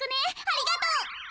ありがとう。